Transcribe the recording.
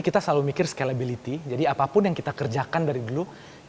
kita selalu mikir scalability jadi apapun yang kita kerjakan dari dulu